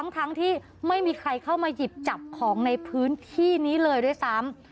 ทั้งที่ไม่มีใครเข้ามาหยิบจับของในพื้นที่นี้เลยด้วยซ้ำ